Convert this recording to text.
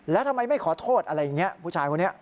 แล้วทำไมไม่ขอโทษอะไรอย่างนี้ผู้ชายคนนี้